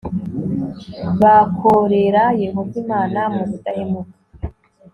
bakorera Yehova Imana mu budahemuka